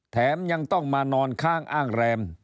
แถมยังต้องมานอนข้างอ้างแรม